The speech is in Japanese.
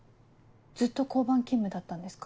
ずっと交番勤務だったんですか？